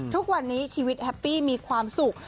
ทุกวันนี้ชีวิตแฮปปี้มีความสุข